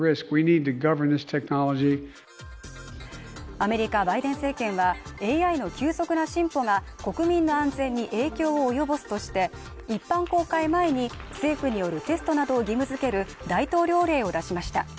アメリカ・バイデン政権はＡＩの急速な進歩が国民の安全に影響を及ぼすとして一般公開前に政府によるテストなどを義務づける大統領令を出しました